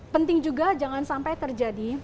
penting juga jangan sampai terjadi